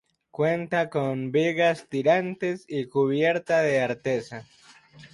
Cuenta con vigas tirantes y cubierta de artesa.